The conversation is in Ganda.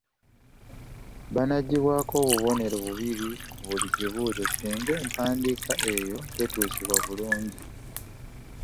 Banaggibwako obubonero bubiri ku buli kibuuzo singa empandiika eyo tetuusibwa bulungi.